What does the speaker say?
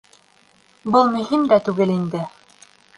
Был мөһим дә түгел инде.